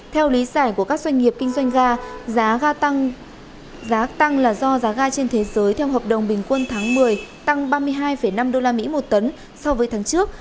theo lý giải của các doanh nghiệp kinh doanh ga giá ga tăng giá tăng là do giá ga trên thế giới theo hợp đồng bình quân tháng một mươi tăng ba mươi hai năm usd một tấn so với tháng trước